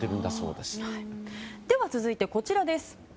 では続いて、こちらです。